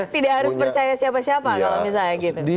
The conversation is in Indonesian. tidak harus percaya siapa siapa kalau misalnya gitu